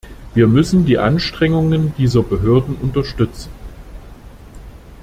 Wir müssen die Anstrengungen dieser Behörden unterstützen.